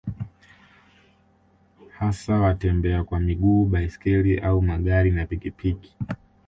hasa watembea kwa miguu baiskeli au magari na pikipiki